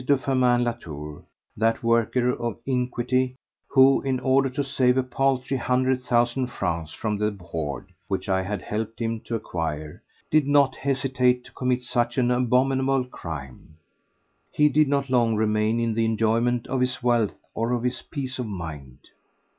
de Firmin Latour, that worker of iniquity who, in order to save a paltry hundred thousand francs from the hoard which I had helped him to acquire, did not hesitate to commit such an abominable crime, he did not long remain in the enjoyment of his wealth or of his peace of mind.